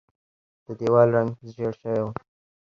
د دیوال رنګ ژیړ شوی و.